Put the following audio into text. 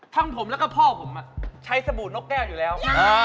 ทั้งผมแล้วก็พ่อผมใช้สบู่นกแก้วอยู่แล้ว